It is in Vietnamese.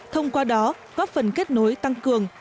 thông qua đó góp phần kết nối tăng cường